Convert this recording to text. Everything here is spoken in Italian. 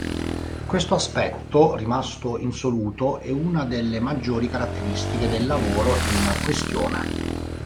Questo aspetto, rimasto insoluto, è una delle maggiori caratteristiche del lavoro in questione.